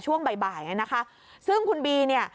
ช่วงบ่ายบ่ายนะคะซึ่งคุณบีเนี่ย